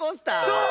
そう！